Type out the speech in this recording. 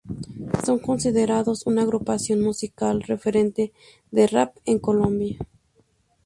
Son considerados una agrupación musical referente de rap en Colombia.